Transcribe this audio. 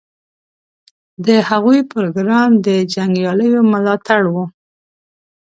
د هغوی پروګرام د جنګیالیو ملاتړ و.